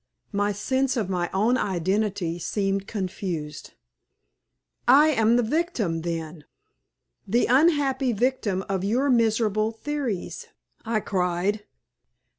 My sense of my own identity seemed confused. "I am the victim, then the unhappy victim of your miserable theories!" I cried.